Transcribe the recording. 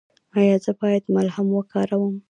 ایا زه باید ملهم وکاروم؟